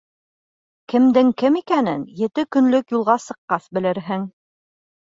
Кемдең кем икәнен ете көнлөк юлға сыҡҡас белерһең.